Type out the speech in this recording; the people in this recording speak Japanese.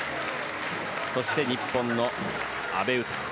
そして、日本の阿部詩。